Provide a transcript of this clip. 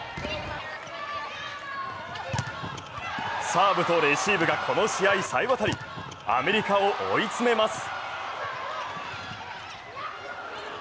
サーブとレシーブがこの試合さえ渡り、アメリカを追い詰めます。